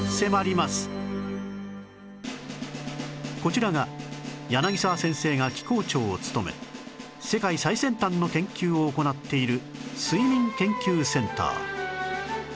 こちらが柳沢先生が機構長を務め世界最先端の研究を行っている睡眠研究センター